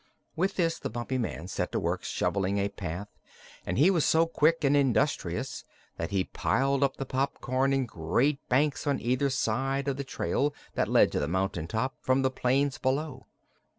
With this the Bumpy Man set to work shoveling a path and he was so quick and industrious that he piled up the popcorn in great banks on either side of the trail that led to the mountain top from the plains below.